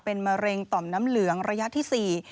เป็นมะเร็งต่อมน้ำเหลืองระยะที่๔